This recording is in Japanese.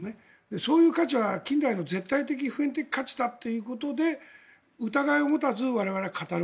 そういう価値は近代の絶対的普遍的価値だということで疑いを持たず我々は語る。